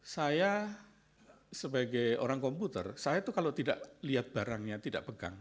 saya sebagai orang komputer saya itu kalau tidak lihat barangnya tidak pegang